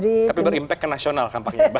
tapi berimpak ke nasional kampanye mbak